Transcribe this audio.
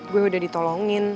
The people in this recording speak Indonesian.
gue udah ditolongin